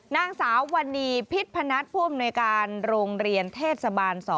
นางสาววันนี้พิษพนัทผู้อำนวยการโรงเรียนเทศบาล๒